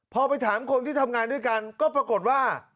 พอไปถามคนที่ทำงานด้วยกันก็ปรากฏว่า